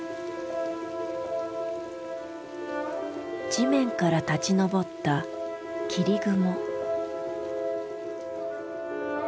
地面から立ち昇った霧雲。